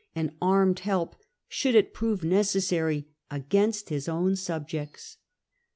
and armed help, should it prove necessary, against his own subjects.